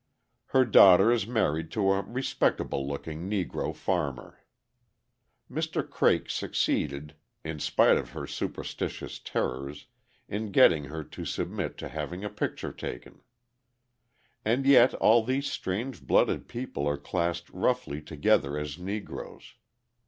Her daughter is married to a respectable looking Negro farmer. Mr. Craik succeeded, in spite of her superstitious terrors, in getting her to submit to having a picture taken. And yet all these strange blooded people are classed roughly together as Negroes.